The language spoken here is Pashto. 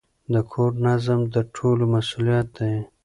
د کور نظم د ټولو مسئولیت دی.